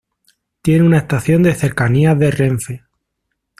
Tiene una estación de Cercanías de Renfe.